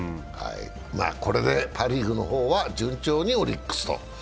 これでパ・リーグの方は順調にオリックスと。